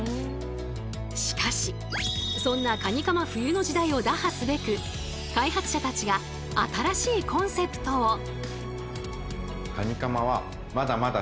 しかしそんなカニカマ冬の時代を打破すべく開発者たちが新しいコンセプトを。